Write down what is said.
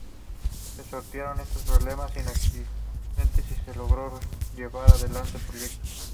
Se sortearon estos problemas sin accidentes y se logró llevar adelante el Proyecto.